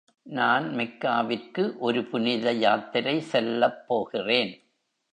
நான் மெக்காவிற்கு ஒரு புனித யாத்திரை செல்லப் போகிறேன்.